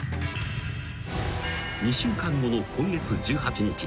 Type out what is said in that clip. ［２週間後の今月１８日］